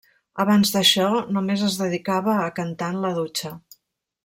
Abans d'això, només es dedicava a cantar en la dutxa.